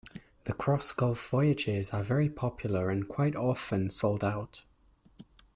The cross-gulf voyages are very popular and quite often sold out.